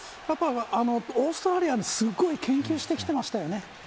オーストラリアの研究をしてきていましたよね。